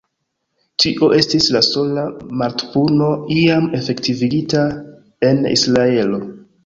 Tio estis la sola mortpuno iam efektivigita en Israelo.